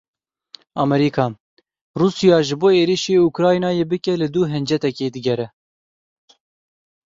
Amerîka, Rûsya ji bo êrişî Ukraynayê bike li dû hincetekê digere.